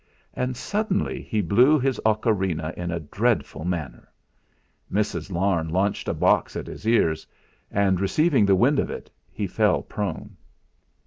And suddenly he blew his ocarina in a dreadful manner. Mrs. Larne launched a box at his ears, and receiving the wind of it he fell prone.